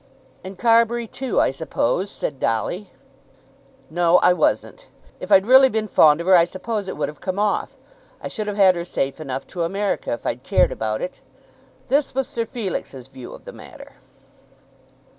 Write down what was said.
"And Carbury too, I suppose," said Dolly. "No; I wasn't. If I'd really been fond of her I suppose it would have come off. I should have had her safe enough to America, if I'd cared about it." This was Sir Felix's view of the matter.